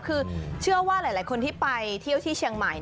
คือเชื่อว่าหลายคนที่ไปเที่ยวที่เชียงใหม่